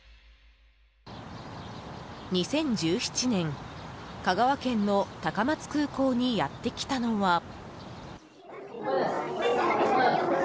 ２０１７年、香川県の高松空港にやってきたのは。